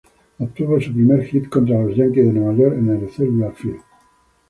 Obtuvo su primer hit contra los Yanquis de Nueva York en el Cellular Field.